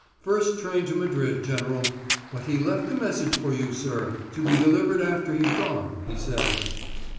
"First train to Madrid, General; but he left a message for you, sir, to be delivered after he'd gone, he said."